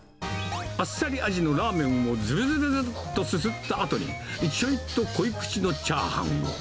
あっさり味のラーメンをずずずずずっとすすったあとに、ちょいと濃いくちのチャーハンを。